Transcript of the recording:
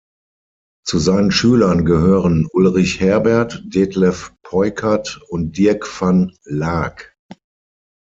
Zu seinen Schülern gehören Ulrich Herbert, Detlev Peukert und Dirk van Laak.